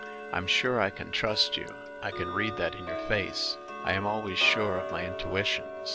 I'm sure I can trust you; I can read that in your face. I am always sure of my intuitions.